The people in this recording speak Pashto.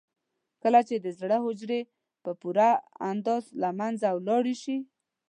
کله چې د زړه حجرې په پوره اندازه له منځه لاړې شي.